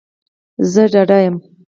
زه ډاډه یم